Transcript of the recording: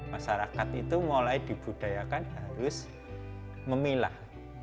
masyarakat itu mulai dibudayakan harus memilah